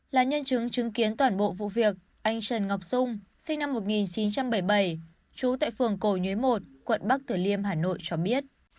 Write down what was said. là nhân chứng chứng kiến toàn bộ vụ việc anh trần ngọc dung sinh năm một nghìn chín trăm bảy mươi bảy trú tại phường cổ nhuế một quận bắc tử liêm hà nội cho biết